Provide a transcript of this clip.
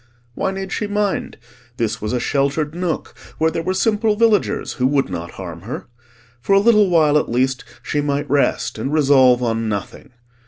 Why need she mind? This was a sheltered nook where there were simple villagers who would not harm her. For a little while, at least, she might rest and resolve on nothing.